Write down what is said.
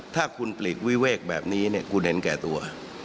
ถ้าคุณปลีกวิเวกแบบนี้คุณเห็นแก่ตัว